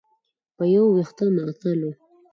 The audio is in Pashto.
په یو وېښته معطل و.